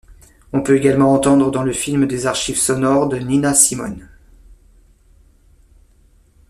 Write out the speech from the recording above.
On peut également entendre dans le film des archives sonores de Nina Simone.